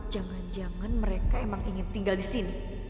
jangan jangan mereka emang ingin tinggal di sini